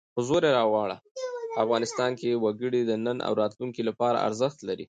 افغانستان کې وګړي د نن او راتلونکي لپاره ارزښت لري.